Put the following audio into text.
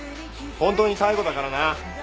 本当に最後だからな。